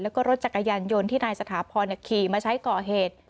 แล้วก็รถจักรยานยนต์ที่นายสถาพรขี่มาใช้ก่อเหตุ